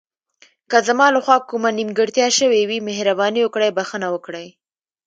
که زما له خوا کومه نیمګړتیا شوې وي، مهرباني وکړئ بښنه وکړئ.